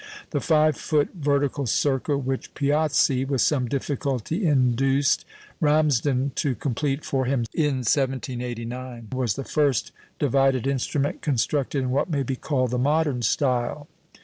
The five foot vertical circle, which Piazzi with some difficulty induced Ramsden to complete for him in 1789, was the first divided instrument constructed in what may be called the modern style.